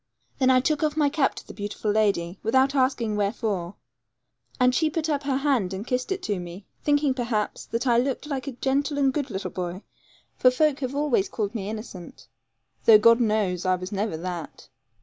Then I took off my cap to the beautiful lady, without asking wherefore; and she put up her hand and kissed it to me, thinking, perhaps, that I looked like a gentle and good little boy; for folk always called me innocent, though God knows I never was that.